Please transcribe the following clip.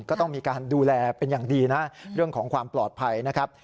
ก็ต้องมีการดูแลเป็นอย่างดีนะเรื่องของความปลอดภัยนะครับ